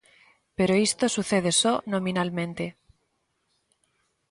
Pero isto sucede só nominalmente.